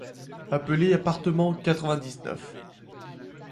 appeler appartement quatre-vingt-dix-neuf